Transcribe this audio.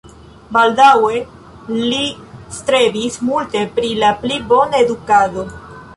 Baldaŭe li strebis multe pri la pli bona edukado.